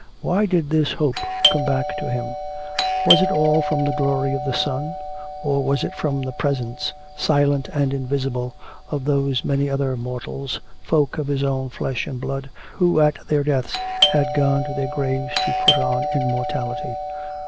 Why did this hope come back to him? Was it all from the glory of the sun? Or was it from the presence, silent and invisible, of those many other mortals, folk of his own flesh and blood, who at their deaths had gone to their graves to put on immortality?